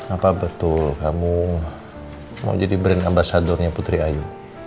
apa betul kamu mau jadi brand ambasadornya putri ayu